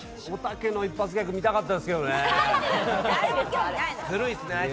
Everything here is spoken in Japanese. おたけの一発ギャグ、見たかったですけれどね。